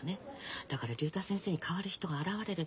だから竜太先生に代わる人が現れればいいの。